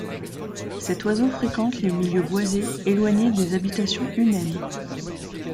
Cet oiseau fréquente les milieux boisés éloignés des habitations humaines.